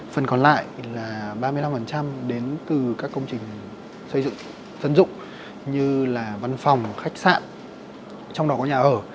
phần còn lại là ba mươi năm đến từ các công trình xây dựng dân dụng như là văn phòng khách sạn trong đó có nhà ở